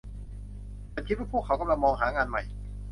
ฉันคิดว่าพวกเขากำลังมองหางานใหม่